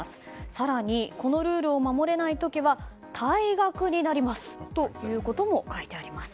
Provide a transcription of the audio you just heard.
更にこのルールを守れない時は退学になりますということも書いてあります。